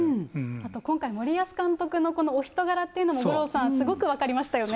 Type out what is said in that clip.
あと今回、森保監督のこのお人柄というのも、五郎さん、すごく分かりましたよね。